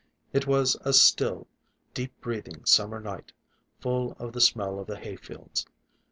It was a still, deep breathing summer night, full of the smell of the hay fields.